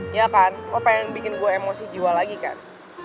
iya kan oh pengen bikin gue emosi jiwa lagi kan